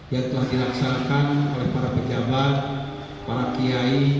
yang telah dilaksanakan oleh para pejabat para kiai